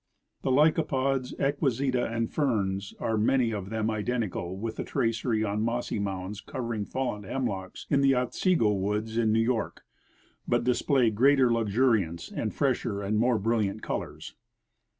The licapods, equiseta and ferns are many of them identical with the tracery on mossy mounds covering fallen hemlocks in the Otsego woods in NeAV York, but display greater luxuriance and fresher and more bril liant colors.